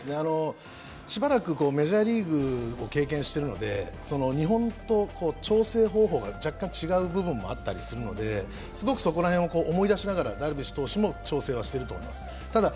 しばらくメジャーリーグを経験しているので日本と調整方法が若干違う部分もあったりするのでそこら辺を思い出しながらダルビッシュ投手も調整しているんだと思います。